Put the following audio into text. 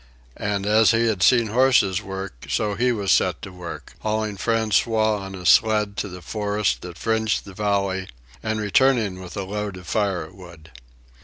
And as he had seen horses work, so he was set to work, hauling François on a sled to the forest that fringed the valley, and returning with a load of firewood.